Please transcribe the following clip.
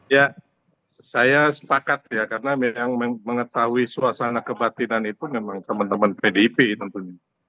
ya saya sepakat ya karena yang mengetahui suasana kebatinan itu memang teman teman pdip tentunya